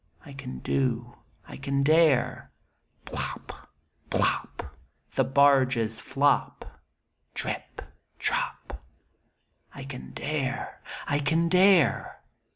8 7 I can do, I can dare, (Plop, plop, The barges flop Drip, drop.) I can dare, I can dare